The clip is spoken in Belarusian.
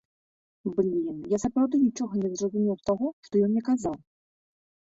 Блін, я сапраўды нічога не зразумеў з таго, што ён мне казаў!